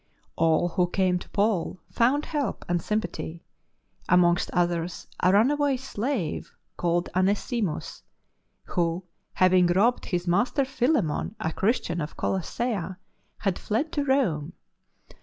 All who came to Paul found help and sympathy: amongst others a runaway slave called Onesimus^ who, having robbed his master Philemon, a Christian of Colossi, had fled to Rome.